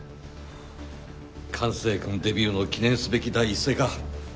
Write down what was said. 管制官デビューの記念すべき第一声か。